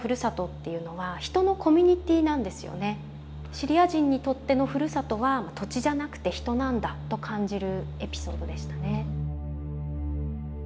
シリア人にとってのふるさとは土地じゃなくて人なんだと感じるエピソードでしたね。